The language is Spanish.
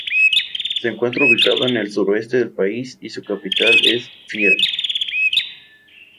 Se encuentra ubicado en el suroeste del país y su capital es Fier.